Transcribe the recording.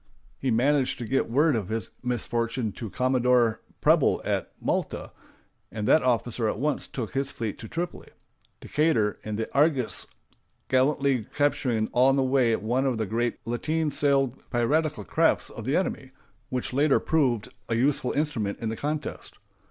He managed to get word of his misfortune to Commodore Preble at Malta, and that officer at once took his fleet to Tripoli—Decatur, in the Argus, gallantly capturing on the way one of the great lateen sailed piratical crafts of the enemy, which later proved a useful instrument in the contest.